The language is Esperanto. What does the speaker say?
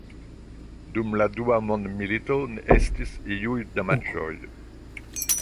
Dum la Dua mondmilito ne estis iuj damaĝoj.